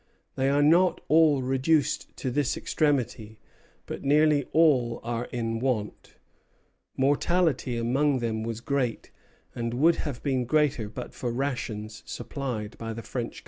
They are not all reduced to this extremity but nearly all are in want." Mortality among them was great, and would have been greater but for rations supplied by the French Government.